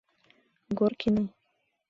Горкина!